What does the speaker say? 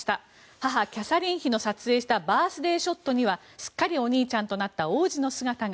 母・キャサリン妃の撮影したバースデーショットにはすっかりお兄ちゃんとなった王子の姿が。